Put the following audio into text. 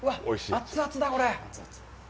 熱々だ、これ。